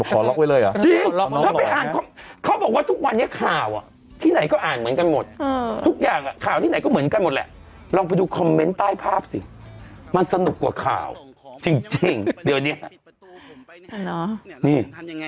โอเคเป็นเรื่องที่ควรพูดถึงกันเยอะมากนะฮะวันนี้